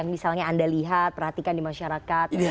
misalnya anda lihat perhatikan di masyarakat